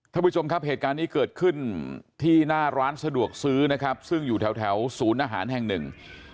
ท่านผู้ชมครับเหตุการณ์นี้เกิดขึ้นที่หน้าร้านสะดวกซื้อนะครับซึ่งอยู่แถวศูนย์อาหารแห่งหนึ่ง